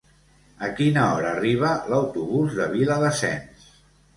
A quina hora arriba l'autobús de Viladasens?